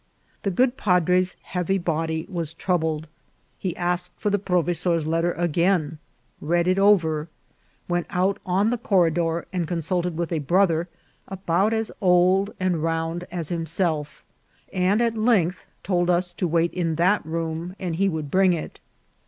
The good padre's heavy body was troubled. He asked for the provesor's letter again, read it over, A SACRED STONE. 149 went out on the corridor and consulted with a brother about as old and round as himself, and at length told us to wait in that room and he would bring it.